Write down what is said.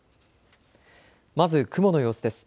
まず雲の様子です。